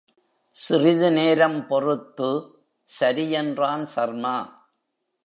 சிறிதுநேரம் பொறுத்து, சரி என்றான் சர்மா.